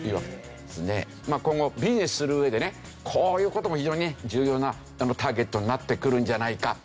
まあ今後ビジネスする上でねこういう事も非常にね重要なターゲットになってくるんじゃないか。